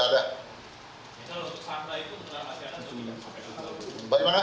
tapi katanya ditembak betul gak